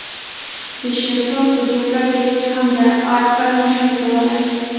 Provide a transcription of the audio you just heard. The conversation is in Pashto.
د شېر سرخ په جرګه کې هېچا هم دا اټکل نه شوای کولای.